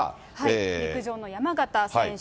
陸上の山縣選手。